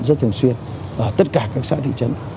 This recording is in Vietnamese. rất thường xuyên ở tất cả các xã thị trấn